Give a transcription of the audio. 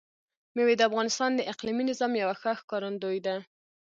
مېوې د افغانستان د اقلیمي نظام یوه ښه ښکارندوی ده.